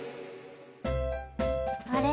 あれ？